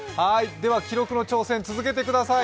記録の挑戦続けてください